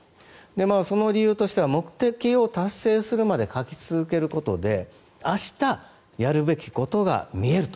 その理由としては目的を達成するまで書き続けることで明日、やるべきことが見えると。